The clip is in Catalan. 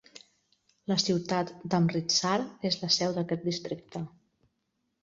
La ciutat d'Amritsar és la seu d'aquest districte.